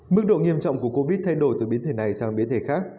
mức độ nghiêm trọng của covid thay đổi từ biến thể này sang biến thể khác